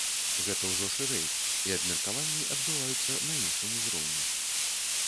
Гэта ўжо шырэй і абмеркаванні адбываюцца на іншым узроўні.